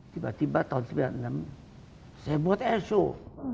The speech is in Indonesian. tiba tiba tahun seribu sembilan ratus sembilan puluh enam saya buat eso